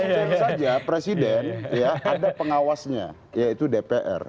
perpresiden saja ada pengawasnya yaitu dpr